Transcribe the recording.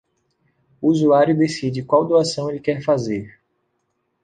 O usuário decide qual doação ele quer fazer.